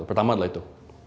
pertama adalah itu